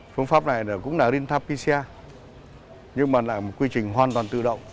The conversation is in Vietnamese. phương pháp này cũng là real time pcr nhưng mà là một quy trình hoàn toàn tự động